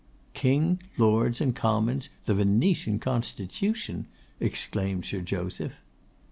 'King, Lords, and Commons, the Venetian Constitution!' exclaimed Sir Joseph.